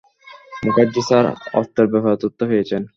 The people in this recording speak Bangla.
মুখার্জি স্যার অস্ত্রের ব্যাপারে তথ্য পেয়েছেন।